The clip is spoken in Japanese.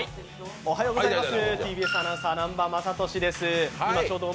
おはようございます。